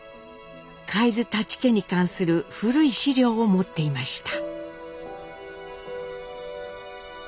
海津舘家に関する古い資料を持っていました。